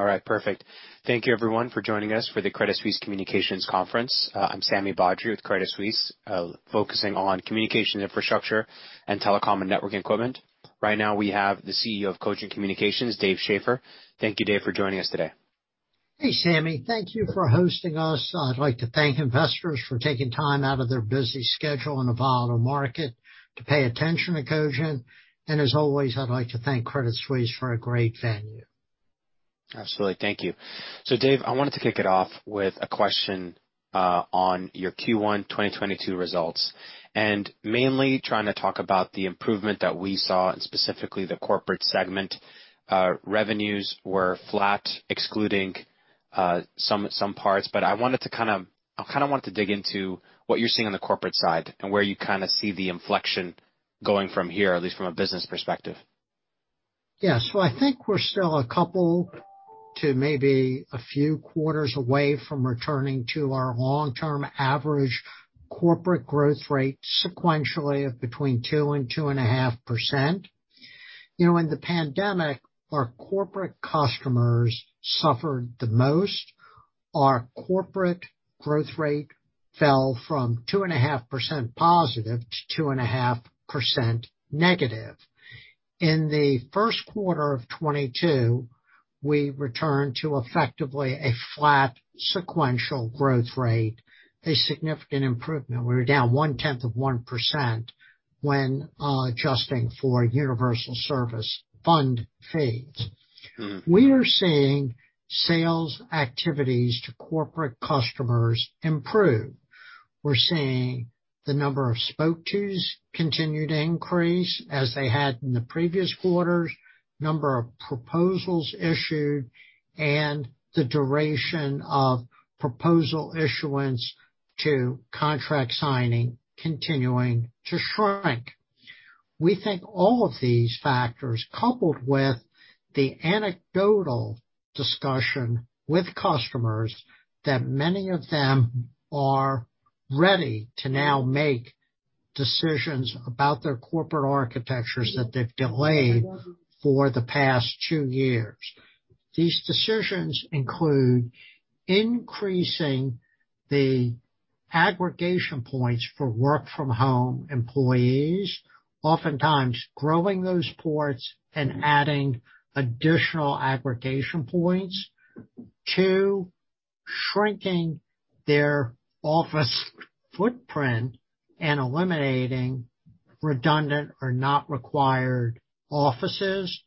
All right, perfect. Thank you everyone for joining us for the Credit Suisse Communications Conference. I'm Sami Badri with Credit Suisse, focusing on communication infrastructure and telecom and network equipment. Right now, we have the CEO of Cogent Communications, Dave Schaeffer. Thank you, Dave, for joining us today. Hey, Sammy. Thank you for hosting us. I'd like to thank investors for taking time out of their busy schedule in a volatile market to pay attention to Cogent. As always, I'd like to thank Credit Suisse for a great venue. Absolutely. Thank you. Dave, I wanted to kick it off with a question on your Q1 2022 results, and mainly trying to talk about the improvement that we saw in specifically the corporate segment. Revenues were flat, excluding some parts. I kinda wanted to dig into what you're seeing on the corporate side and where you kinda see the inflection going from here, at least from a business perspective. Yeah. I think we're still a couple to maybe a few quarters away from returning to our long-term average corporate growth rate sequentially of between 2% and 2.5%. You know, in the pandemic, our corporate customers suffered the most. Our corporate growth rate fell from 2.5% positive to 2.5% negative. In the first quarter of 2022, we returned to effectively a flat sequential growth rate, a significant improvement. We were down 0.1% when adjusting for Universal Service Fund fees. Mm-hmm. We are seeing sales activities to corporate customers improve. We're seeing the number of spoke tos continue to increase as they had in the previous quarters, number of proposals issued, and the duration of proposal issuance to contract signing continuing to shrink. We think all of these factors, coupled with the anecdotal discussion with customers, that many of them are ready to now make decisions about their corporate architectures that they've delayed for the past 2 years. These decisions include increasing the aggregation points for work from home employees, oftentimes growing those ports and adding additional aggregation points. Two, shrinking their office footprint and eliminating redundant or not required offices,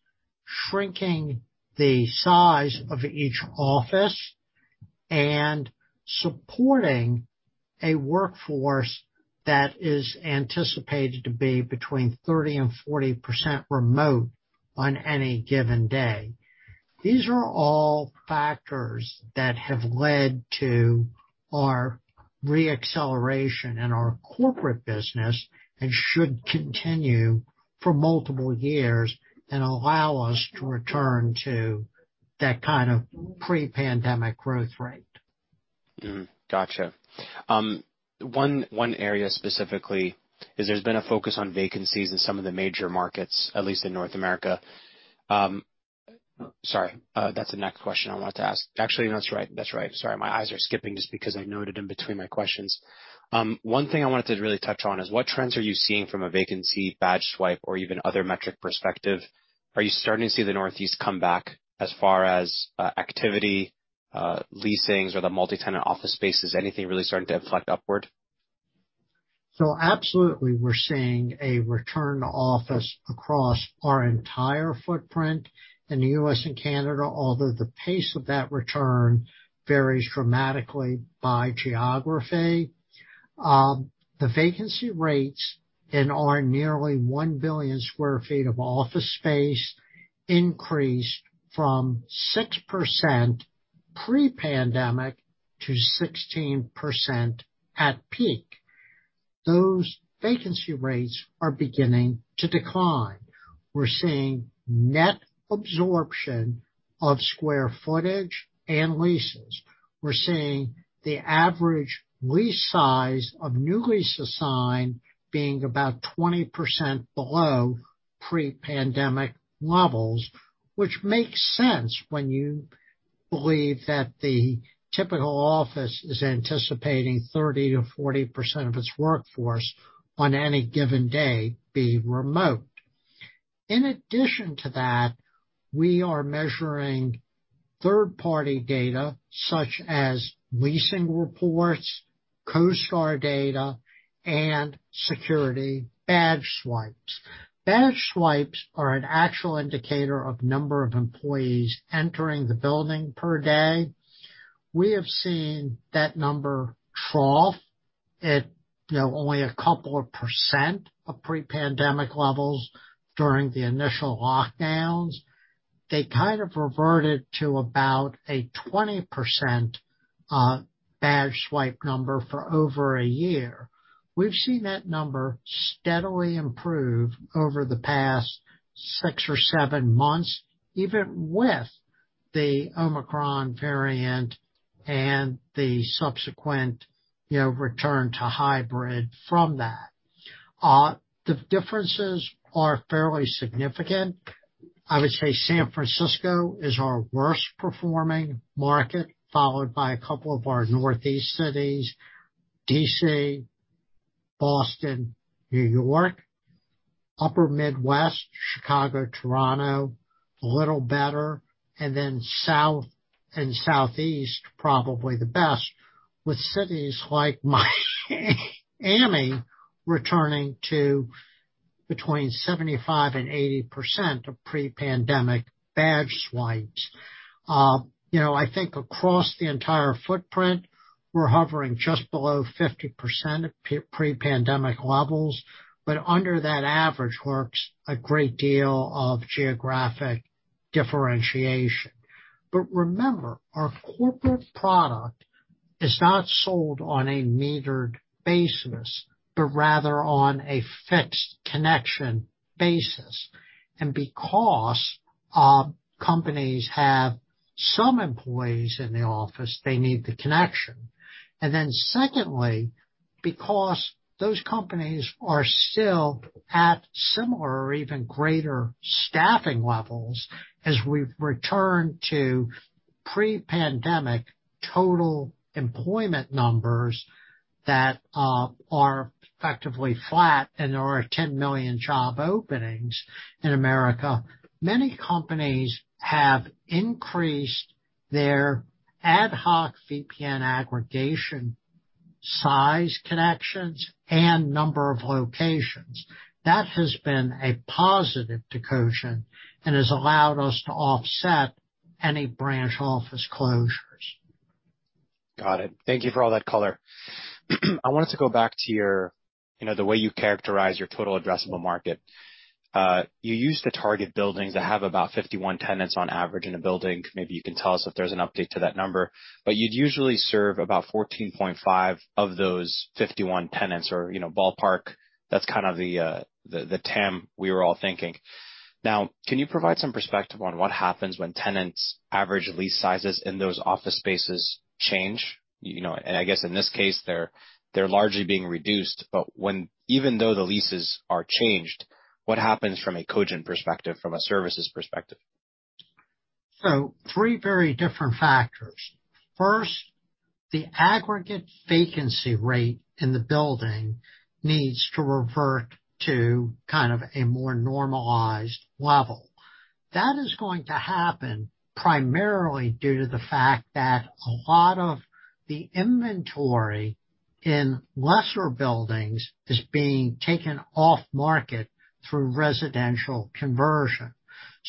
shrinking the size of each office, and supporting a workforce that is anticipated to be between 30%-40% remote on any given day. These are all factors that have led to our re-acceleration in our corporate business and should continue for multiple years and allow us to return to that kind of pre-pandemic growth rate. Gotcha. One area specifically is there's been a focus on vacancies in some of the major markets, at least in North America. Sorry, that's the next question I wanted to ask. Actually, no, that's right. Sorry, my eyes are skipping just because I noted in between my questions. One thing I wanted to really touch on is what trends are you seeing from a vacancy badge swipe or even other metric perspective? Are you starting to see the Northeast come back as far as activity, leasings or the multi-tenant office spaces? Anything really starting to inflect upward? Absolutely, we're seeing a return to office across our entire footprint in the US and Canada, although the pace of that return varies dramatically by geography. The vacancy rates in our nearly 1 billion sq ft of office space increased from 6% pre-pandemic to 16% at peak. Those vacancy rates are beginning to decline. We're seeing net absorption of square footage and leases. We're seeing the average lease size of new leases signed being about 20% below pre-pandemic levels, which makes sense when you believe that the typical office is anticipating 30%-40% of its workforce on any given day being remote. In addition to that, we are measuring third-party data such as leasing reports, CoStar data, and security badge swipes. Badge swipes are an actual indicator of number of employees entering the building per day. We have seen that number trough at, you know, only a couple of % of pre-pandemic levels during the initial lockdowns. They kind of reverted to about a 20% badge swipe number for over a year. We've seen that number steadily improve over the past 6 or 7 months, even with the Omicron variant and the subsequent, you know, return to hybrid from that. The differences are fairly significant. I would say San Francisco is our worst performing market, followed by a couple of our Northeast cities, D.C., Boston, New York, upper Midwest, Chicago, Toronto, a little better, and then south and southeast, probably the best, with cities like Miami returning to between 75% and 80% of pre-pandemic badge swipes. You know, I think across the entire footprint, we're hovering just below 50% of pre-pandemic levels, but under that average works a great deal of geographic differentiation. Remember, our corporate product is not sold on a metered basis, but rather on a fixed connection basis. Because our companies have some employees in the office, they need the connection. Then secondly, because those companies are still at similar or even greater staffing levels as we return to pre-pandemic total employment numbers that are effectively flat and there are 10 million job openings in America, many companies have increased their ad hoc VPN aggregation size connections and number of locations. That has been a positive to Cogent and has allowed us to offset any branch office closures. Got it. Thank you for all that color. I wanted to go back to your, you know, the way you characterize your total addressable market. You use the target buildings that have about 51 tenants on average in a building. Maybe you can tell us if there's an update to that number, but you'd usually serve about 14.5 of those 51 tenants or, you know, ballpark. That's kind of the TAM we were all thinking. Now, can you provide some perspective on what happens when tenants average lease sizes in those office spaces change? You know, and I guess in this case, they're largely being reduced. Even though the leases are changed, what happens from a Cogent perspective, from a services perspective? Three very different factors. First, the aggregate vacancy rate in the building needs to revert to kind of a more normalized level. That is going to happen primarily due to the fact that a lot of the inventory in lesser buildings is being taken off market through residential conversion.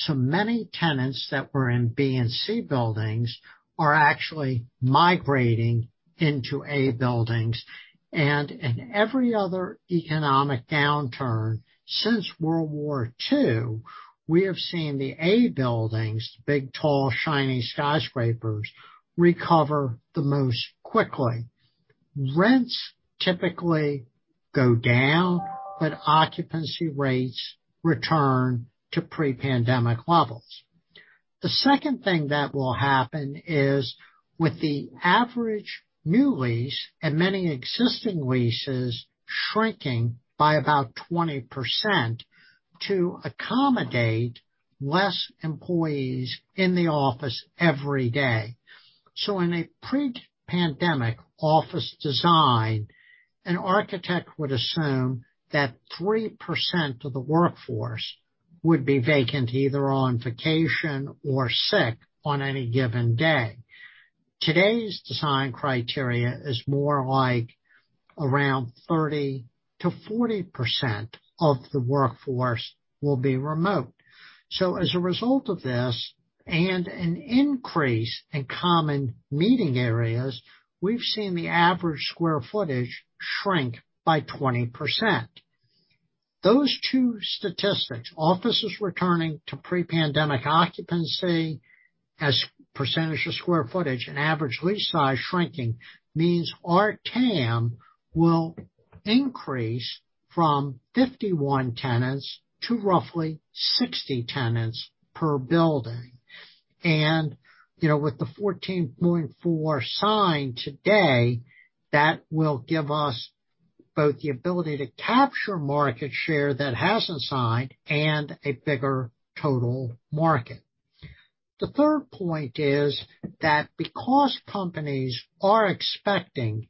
Many tenants that were in B and C buildings are actually migrating into A buildings. In every other economic downturn since World War II, we have seen the A buildings, big, tall, shiny skyscrapers, recover the most quickly. Rents typically go down, but occupancy rates return to pre-pandemic levels. The second thing that will happen is with the average new lease and many existing leases shrinking by about 20% to accommodate less employees in the office every day. In a pre-pandemic office design, an architect would assume that 3% of the workforce would be vacant, either on vacation or sick on any given day. Today's design criteria is more like around 30%-40% of the workforce will be remote. As a result of this and an increase in common meeting areas, we've seen the average square footage shrink by 20%. Those two statistics, offices returning to pre-pandemic occupancy as percentage of square footage and average lease size shrinking, means our TAM will increase from 51 tenants to roughly 60 tenants per building. You know, with the 14.4 signed today, that will give us both the ability to capture market share that hasn't signed and a bigger total market. The third point is that because companies are expecting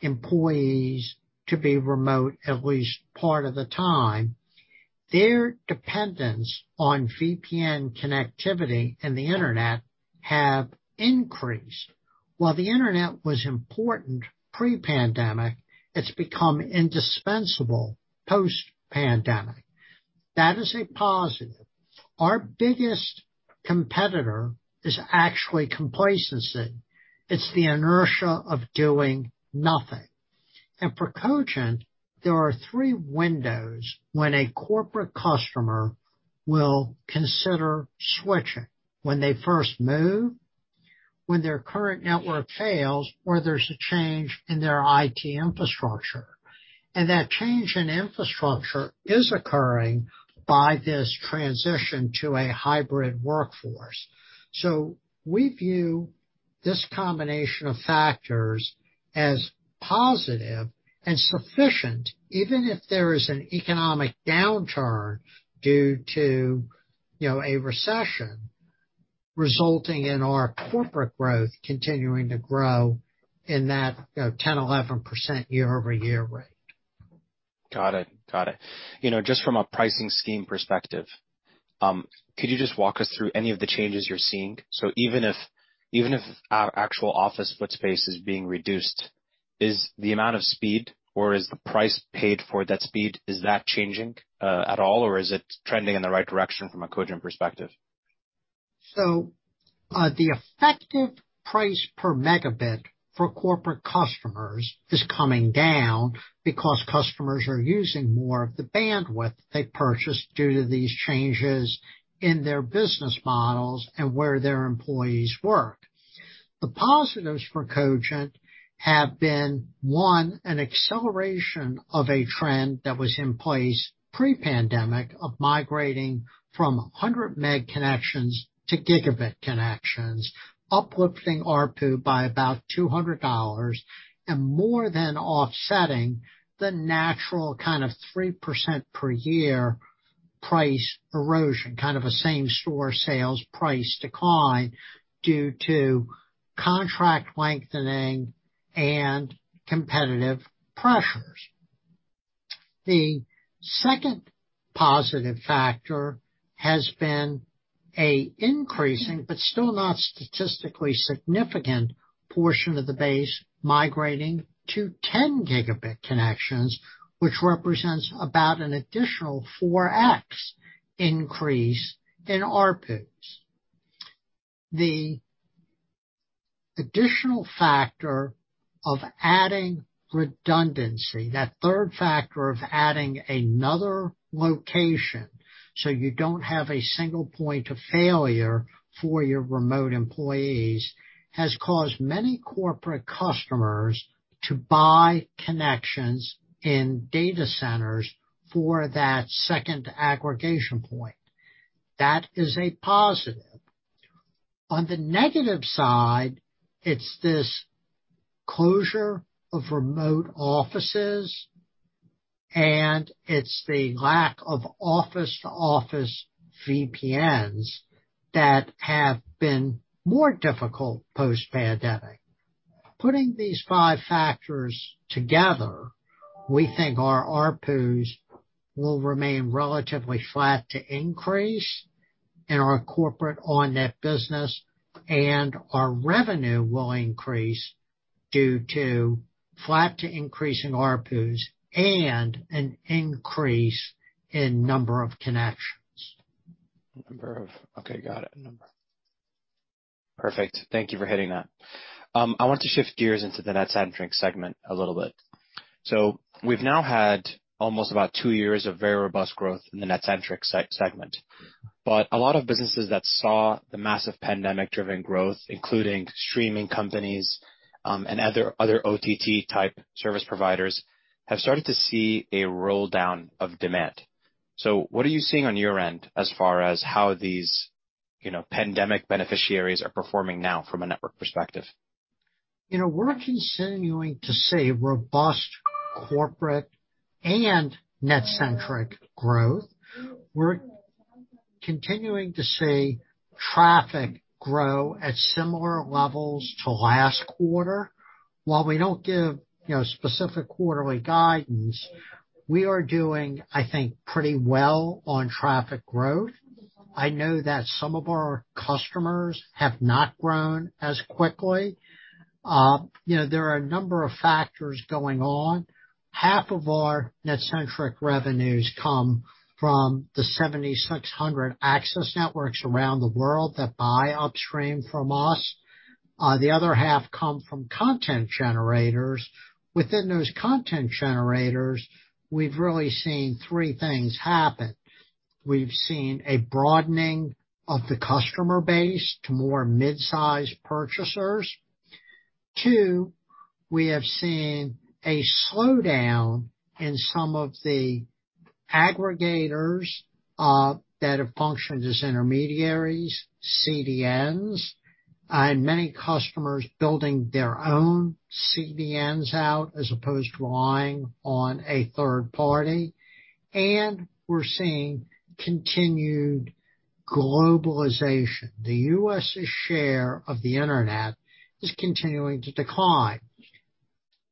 employees to be remote at least part of the time, their dependence on VPN connectivity and the internet have increased. While the internet was important pre-pandemic, it's become indispensable post-pandemic. That is a positive. Our biggest competitor is actually complacency. It's the inertia of doing nothing. For Cogent, there are three windows when a corporate customer will consider switching, when they first move, when their current network fails, or there's a change in their IT infrastructure. That change in infrastructure is occurring by this transition to a hybrid workforce. We view this combination of factors as positive and sufficient, even if there is an economic downturn due to, you know, a recession resulting in our corporate growth continuing to grow in that 10%-11% year-over-year rate. Got it. You know, just from a pricing scheme perspective, could you just walk us through any of the changes you're seeing? Even if our actual office footprint is being reduced, is the amount of speed or is the price paid for that speed, is that changing, at all, or is it trending in the right direction from a Cogent perspective? The effective price per megabit for corporate customers is coming down because customers are using more of the bandwidth they purchased due to these changes in their business models and where their employees work. The positives for Cogent have been, 1, an acceleration of a trend that was in place pre-pandemic, of migrating from 100 meg connections to gigabit connections, uplifting ARPU by about $200 and more than offsetting the natural kind of 3% per year price erosion, kind of a same store sales price decline due to contract lengthening and competitive pressures. The second positive factor has been an increasing, but still not statistically significant, portion of the base migrating to 10 gigabit connections, which represents about an additional 4x increase in ARPUs. The additional factor of adding redundancy, that third factor of adding another location so you don't have a single point of failure for your remote employees, has caused many corporate customers to buy connections in data centers for that second aggregation point. That is a positive. On the negative side, it's this closure of remote offices, and it's the lack of office to office VPNs that have been more difficult post-pandemic. Putting these five factors together, we think our ARPUs will remain relatively flat to increase in our corporate on net business, and our revenue will increase due to flat to increase in ARPUs and an increase in number of connections. Okay, got it. Number. Perfect. Thank you for hitting that. I want to shift gears into the NetCentric segment a little bit. We've now had almost about two years of very robust growth in the NetCentric segment, but a lot of businesses that saw the massive pandemic driven growth, including streaming companies, and other OTT type service providers, have started to see a roll down of demand. What are you seeing on your end as far as how these, you know, pandemic beneficiaries are performing now from a network perspective? You know, we're continuing to see robust corporate and NetCentric growth. We're continuing to see traffic grow at similar levels to last quarter. While we don't give, you know, specific quarterly guidance, we are doing, I think, pretty well on traffic growth. I know that some of our customers have not grown as quickly. You know, there are a number of factors going on. Half of our NetCentric revenues come from the 7,600 access networks around the world that buy upstream from us. The other half come from content generators. Within those content generators, we've really seen three things happen. We've seen a broadening of the customer base to more mid-size purchasers. Two, we have seen a slowdown in some of the aggregators, that have functioned as intermediaries, CDNs, and many customers building their own CDNs out as opposed to relying on a third party. We're seeing continued globalization. The U.S.'s share of the Internet is continuing to decline.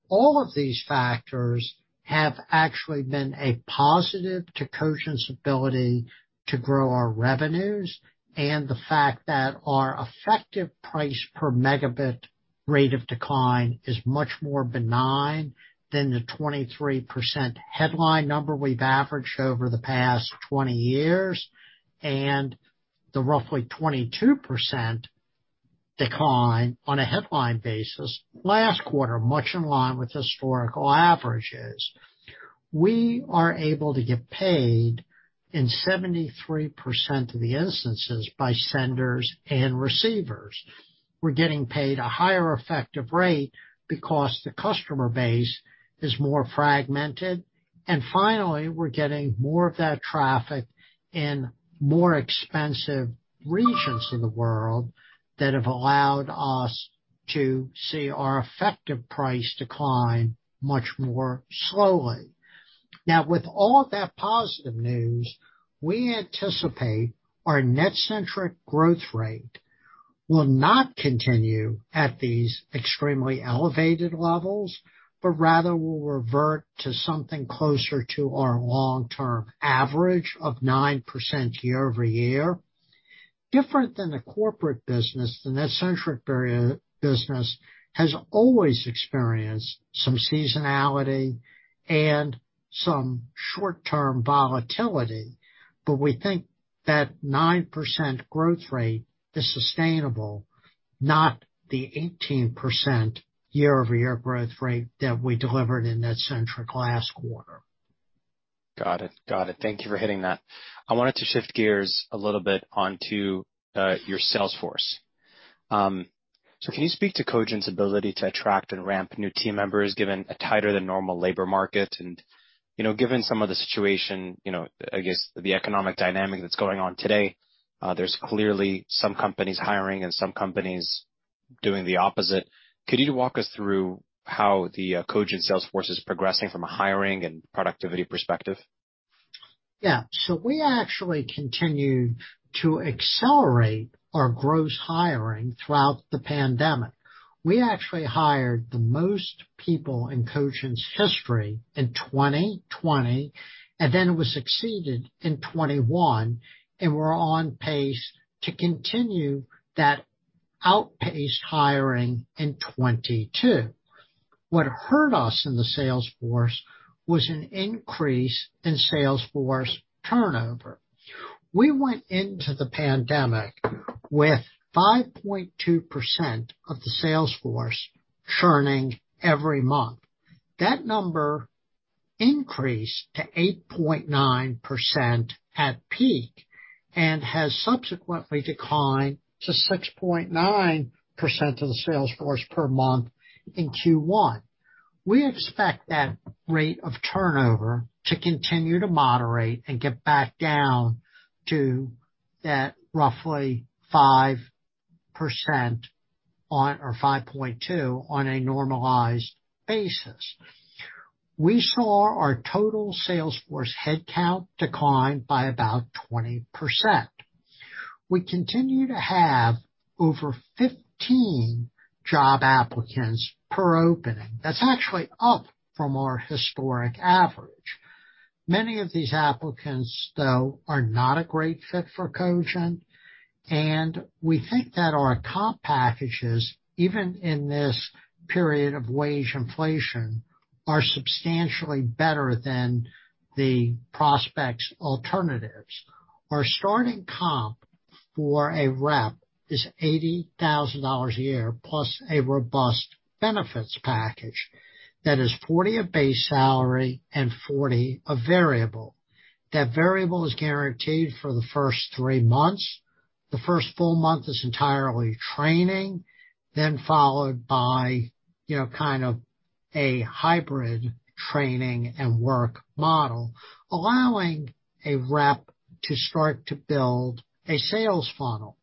All of these factors have actually been a positive to Cogent's ability to grow our revenues and the fact that our effective price per megabit rate of decline is much more benign than the 23% headline number we've averaged over the past 20 years, and the roughly 22% decline on a headline basis last quarter, much in line with historical averages. We are able to get paid in 73% of the instances by senders and receivers. We're getting paid a higher effective rate because the customer base is more fragmented. Finally, we're getting more of that traffic in more expensive regions of the world that have allowed us to see our effective price decline much more slowly. Now, with all that positive news, we anticipate our NetCentric growth rate will not continue at these extremely elevated levels, but rather will revert to something closer to our long-term average of 9% year-over-year. Different than the corporate business, the NetCentric area business has always experienced some seasonality and some short-term volatility, but we think that 9% growth rate is sustainable, not the 18% year-over-year growth rate that we delivered in NetCentric last quarter. Got it. Thank you for hitting that. I wanted to shift gears a little bit onto your sales force. Can you speak to Cogent's ability to attract and ramp new team members given a tighter than normal labor market and, you know, given some of the situation, you know, I guess the economic dynamic that's going on today. There's clearly some companies hiring and some companies doing the opposite. Could you walk us through how the Cogent sales force is progressing from a hiring and productivity perspective? Yeah. We actually continued to accelerate our gross hiring throughout the pandemic. We actually hired the most people in Cogent's history in 2020, and then it was succeeded in 2021, and we're on pace to continue that outpaced hiring in 2022. What hurt us in the sales force was an increase in sales force turnover. We went into the pandemic with 5.2% of the sales force churning every month. That number increased to 8.9% at peak and has subsequently declined to 6.9% of the sales force per month in Q1. We expect that rate of turnover to continue to moderate and get back down to that roughly 5% or 5.2 on a normalized basis. We saw our total sales force headcount decline by about 20%. We continue to have over 15 job applicants per opening. That's actually up from our historic average. Many of these applicants, though, are not a great fit for Cogent, and we think that our comp packages, even in this period of wage inflation, are substantially better than the prospect's alternatives. Our starting comp for a rep is $80,000 a year plus a robust benefits package that is $40,000 base salary and $40,000 variable. That variable is guaranteed for the first 3 months. The first full month is entirely training, then followed by, you know, kind of a hybrid training and work model, allowing a rep to start to build a sales funnel.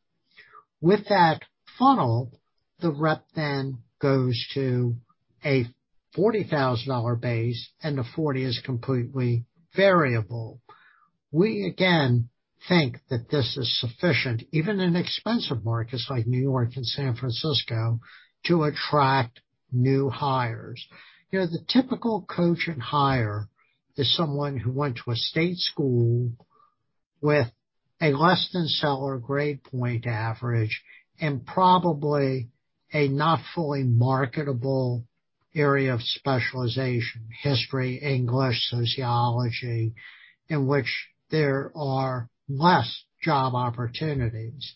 With that funnel, the rep then goes to a $40,000 base, and the $40,000 is completely variable. We, again, think that this is sufficient, even in expensive markets like New York and San Francisco, to attract new hires. You know, the typical Cogent hire is someone who went to a state school with a less than stellar grade point average and probably a not fully marketable area of specialization, history, English, sociology, in which there are less job opportunities.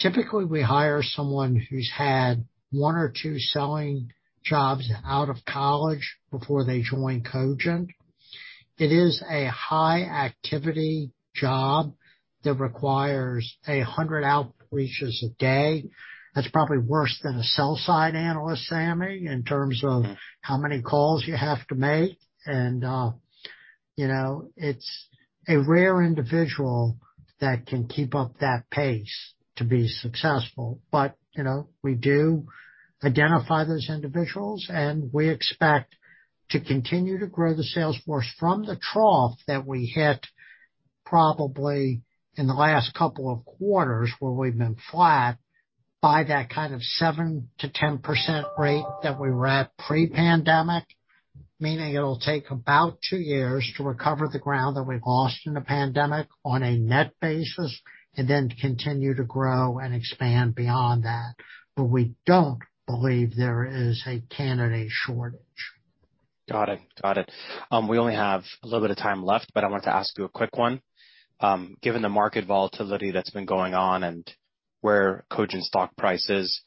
Typically, we hire someone who's had one or two selling jobs out of college before they join Cogent. It is a high activity job that requires 100 outreaches a day. That's probably worse than a sell-side analyst, Sami, in terms of how many calls you have to make. You know, it's a rare individual that can keep up that pace to be successful. You know, we do identify those individuals, and we expect to continue to grow the sales force from the trough that we hit probably in the last couple of quarters where we've been flat by that kind of 7%-10% rate that we were at pre-pandemic, meaning it'll take about two years to recover the ground that we've lost in the pandemic on a net basis and then continue to grow and expand beyond that. We don't believe there is a candidate shortage. Got it. We only have a little bit of time left, but I wanted to ask you a quick one. Given the market volatility that's been going on and where Cogent stock price is,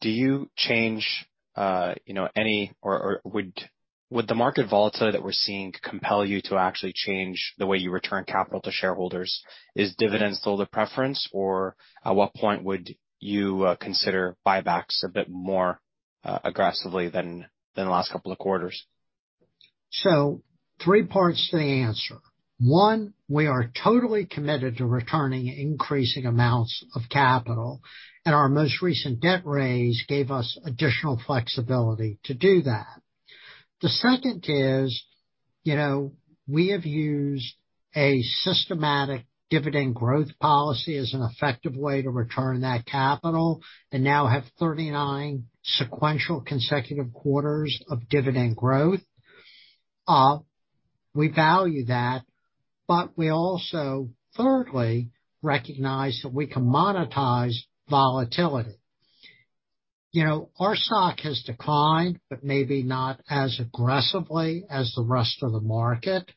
do you change you know any or would the market volatility that we're seeing compel you to actually change the way you return capital to shareholders? Is dividends still the preference, or at what point would you consider buybacks a bit more aggressively than the last couple of quarters? Three parts to the answer. One, we are totally committed to returning increasing amounts of capital, and our most recent debt raise gave us additional flexibility to do that. The second is, you know, we have used a systematic dividend growth policy as an effective way to return that capital and now have 39 sequential consecutive quarters of dividend growth. We value that, but we also, thirdly, recognize that we can monetize volatility. You know, our stock has declined, but maybe not as aggressively as the rest of the market.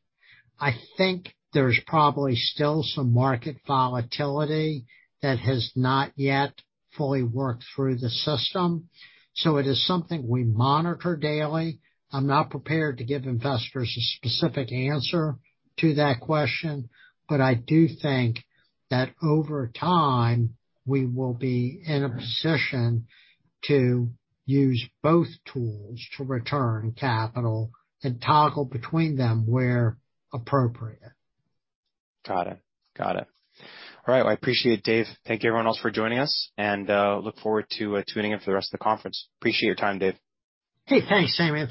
I think there's probably still some market volatility that has not yet fully worked through the system, so it is something we monitor daily. I'm not prepared to give investors a specific answer to that question, but I do think that over time, we will be in a position to use both tools to return capital and toggle between them where appropriate. Got it. All right. Well, I appreciate it, Dave. Thank you everyone else for joining us, and look forward to tuning in for the rest of the conference. Appreciate your time, Dave. Hey, thanks, Sammy.